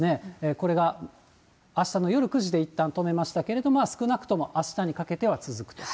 これがあしたの夜９時でいったん止めましたけれども、少なくともあしたにかけては続くと。